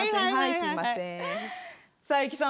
すみません。